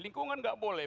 lingkungan nggak boleh